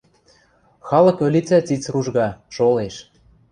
Халык ӧлицӓ циц ружга, шолеш...